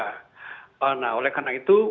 nah ini kan juga ditentukan oleh konteks politiknya juga